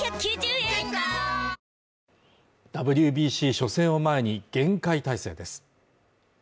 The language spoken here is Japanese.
⁉ＷＢＣ初戦を前に厳戒態勢です。